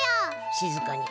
しずかに。